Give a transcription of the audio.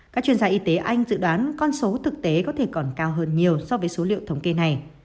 các chuyên gia y tế anh dự đoán con số thực tế có thể còn cao hơn nhiều so với số liệu thống kê này